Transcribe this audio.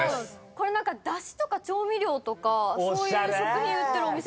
これだしとか調味料とかそういう食品売ってるお店です。